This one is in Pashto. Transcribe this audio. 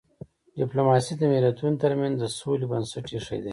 ډيپلوماسي د ملتونو ترمنځ د سولې بنسټ ایښی دی.